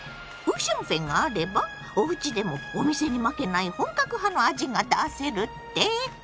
「五香粉があればおうちでもお店に負けない本格派の味が出せる」って⁉